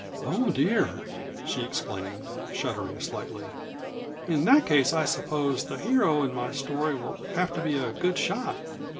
"Oh, dear!" she exclaimed, shuddering slightly. "In that case I suppose the hero in my story will have to be a good shot."